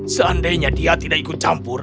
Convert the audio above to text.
seandainya dia tidak ikut campur